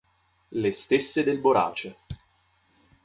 Le stesse del borace.